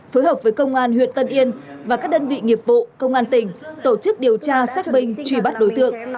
phối hợp với công an huyện tân yên và các đơn vị nghiệp vụ công an tỉnh tổ chức điều tra xác minh truy bắt đối tượng